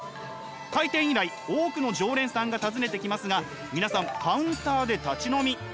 開店以来多くの常連さんが訪ねてきますが皆さんカウンターで立ち飲み。